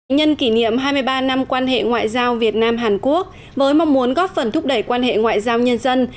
nhân kỷ niệm hai mươi ba năm quan hệ ngoại giao việt nam hàn quốc với mong muốn góp phần thúc đẩy quan hệ ngoại giao nhân dân